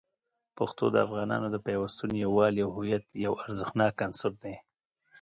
پښتو د افغانانو د پیوستون، یووالي، او هویت یو ارزښتناک عنصر دی.